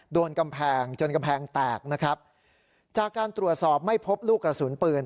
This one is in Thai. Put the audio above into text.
โดนกำแพงจนกำแพงแตกนะครับจากการตรวจสอบไม่พบลูกกระสุนปืน